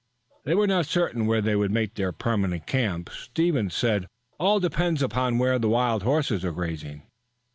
They were not certain where they would make their permanent camp, Stevens said. All depends upon where the wild horses are grazing."